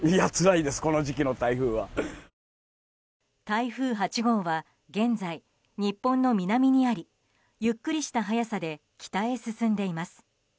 台風８号は現在、日本の南にありゆっくりした速さで北へ進んでいます。